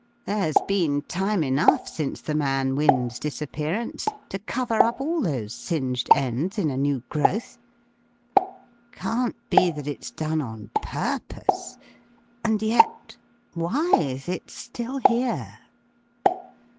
There's been time enough since the man Wynne's disappearance to cover up all those singed ends in a new growth. Can't be that it's done on purpose, and yet why is it still here?"